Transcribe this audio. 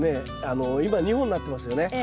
今２本になってますよね。